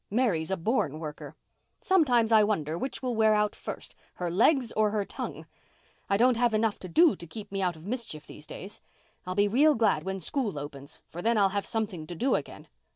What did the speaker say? Mary's a born worker. Sometimes I wonder which will wear out first—her legs or her tongue. I don't have enough to do to keep me out of mischief these days. I'll be real glad when school opens, for then I'll have something to do again.